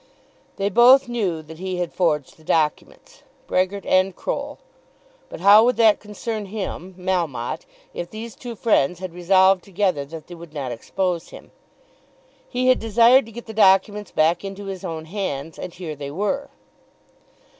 They both knew that he had forged the documents, Brehgert and Croll; but how would that concern him, Melmotte, if these two friends had resolved together that they would not expose him? He had desired to get the documents back into his own hands, and here they were!